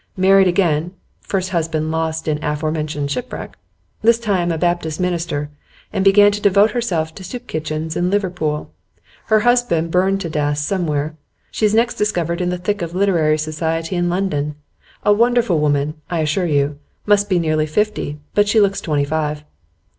Married again (first husband lost in aforementioned shipwreck), this time a Baptist minister, and began to devote herself to soup kitchens in Liverpool. Husband burned to death, somewhere. She's next discovered in the thick of literary society in London. A wonderful woman, I assure you. Must be nearly fifty, but she looks twenty five.